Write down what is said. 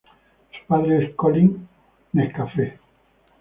Su padre es Colin Metcalfe.